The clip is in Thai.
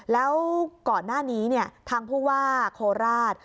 แล้วก่อนหน้านี้ทางผู้ว่าโคราช